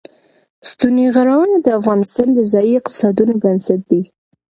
ستوني غرونه د افغانستان د ځایي اقتصادونو بنسټ دی.